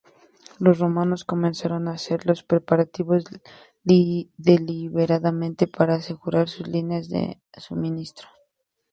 Los romanos comenzaron a hacer los preparativos deliberadamente para asegurar sus líneas de suministro.